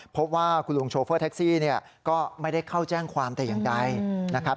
พบว่าคุณลุงโชเฟอร์แท็กซี่เนี่ยก็ไม่ได้เข้าแจ้งความแต่อย่างใดนะครับ